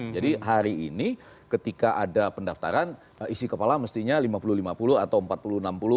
jadi hari ini ketika ada pendaftaran isi kepala mestinya lima puluh lima puluh atau empat puluh enam puluh atau enam puluh empat puluh terserah bagaimana